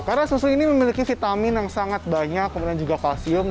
karena susu ini memiliki vitamin yang sangat banyak kemudian juga kalsium